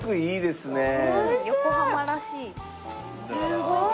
すごい。